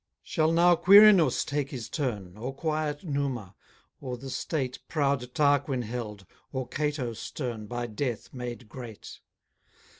Shall now Quirinus take his turn, Or quiet Numa, or the state Proud Tarquin held, or Cato stern, By death made great?